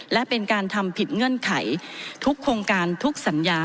และเป็นการทำผิดเงื่อนไขทุกโครงการทุกสัญญา